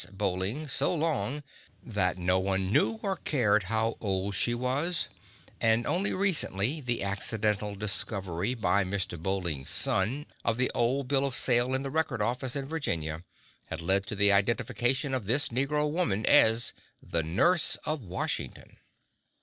Bowling so long that no one knew or cared how old she was, and only recently the accidental discovery by Mr. Bowling's son of the old bill of sale in the Record Office in Virginia had led to the identification of this negro woman as "the nurse of Washington."